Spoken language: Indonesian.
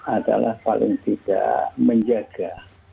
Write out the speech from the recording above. adalah paling tidak menjaga